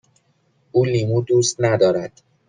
او لیمو دوست ندارد.